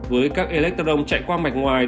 với các electron chạy qua mạch ngoài